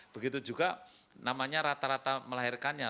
begitu juga namanya rata rata melahirkannya